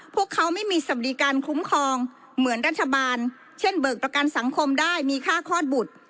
พวกเขาไม่มีสวัสดิการคุ้มครองเหมือนรัฐบาลเช่นเบิกประกันสังคมได้มีค่าคลอดบุตร